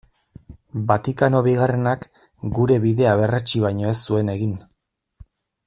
Vatikano Bigarrenak gure bidea berretsi baino ez zuen egin.